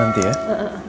terima kasih emang